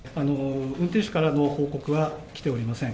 運転手からの報告は来ていません。